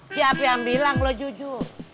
siapa yang bilang lo jujur